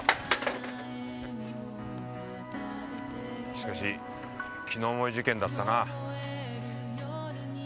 しかし気の重い事件だったな。